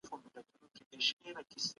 تولیدي ظرفیت باید په هره سیمه کي لوړ سي.